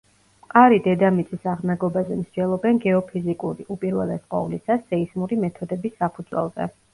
მყარი დედამიწის აღნაგობაზე მსჯელობენ გეოფიზიკური, უპირველეს ყოვლისა, სეისმური მეთოდების საფუძველზე.